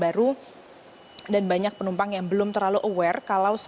karena ada banyak penumpang yang sudah masuk ke bandara ini